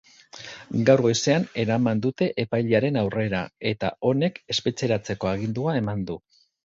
Gaur goizean eraman dute epailearen aurrera, eta honek espetxeratzeko agindua eman du.